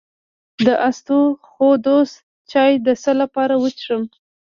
د اسطوخودوس چای د څه لپاره وڅښم؟